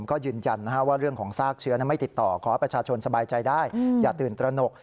ก็ยืนยันว่าเรื่องของซากเชื้อไม่ติดต่อขอให้ประชาชนสบายใจได้อย่าตื่นตระหนก